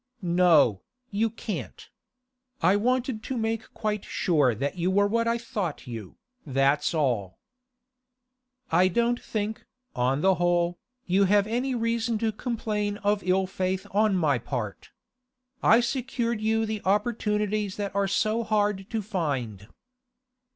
'No, you can't. I wanted to make quite sure that you were what I thought you, that's all.' 'I don't think, on the whole, you have any reason to complain of ill faith on my part. I secured you the opportunities that are so hard to find.